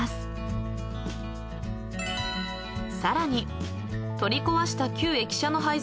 ［さらに］